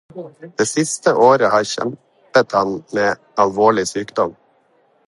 Det siste året kjempet han med alvorlig sykdom.